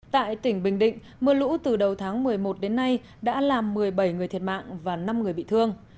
tại tỉnh bình định mưa lũ từ đầu tháng một mươi một đến nay đã làm một mươi bảy người thiệt mạng và năm người bị thương